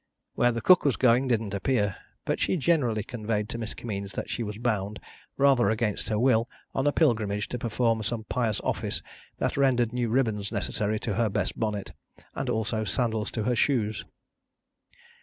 Where the cook was going, didn't appear, but she generally conveyed to Miss Kimmeens that she was bound, rather against her will, on a pilgrimage to perform some pious office that rendered new ribbons necessary to her best bonnet, and also sandals to her shoes.